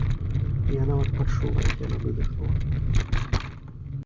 І я нават пачула, як яна выдыхнула.